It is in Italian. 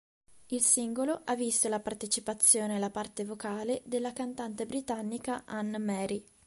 Il singolo, ha visto la partecipazione alla parte vocale della cantante britannica Anne-Marie.